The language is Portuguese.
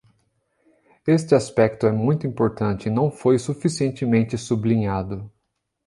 Este aspecto é muito importante e não foi suficientemente sublinhado.